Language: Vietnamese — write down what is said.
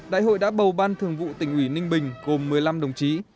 đại hội đã bầu ban thường vụ tỉnh ủy ninh bình gồm một mươi năm đồng chí